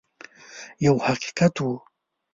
یو حقیقت وو.